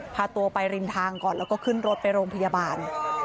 พาตัวไปริมทางก่อนแล้วก็ขึ้นรถไปโรงพยาบาล